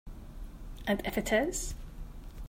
And if it is?